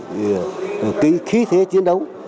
cái khí thế chiến đấu